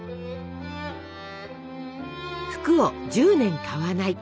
「服を１０年買わない」。